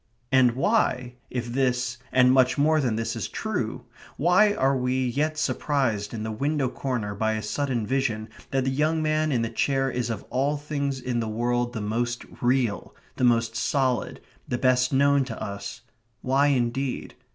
And why, if this and much more than this is true, why are we yet surprised in the window corner by a sudden vision that the young man in the chair is of all things in the world the most real, the most solid, the best known to us why indeed?